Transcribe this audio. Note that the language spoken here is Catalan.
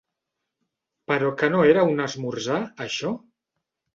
Però que no era un esmorzar, això?